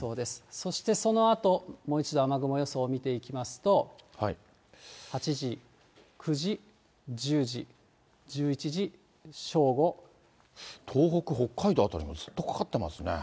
そしてそのあと、もう一度雨雲予想を見ていきますと、８時、９時、１０時、１１時、東北、北海道辺りもずっとかかってますね。